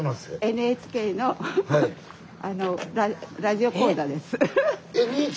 ＮＨＫのラジオ講座？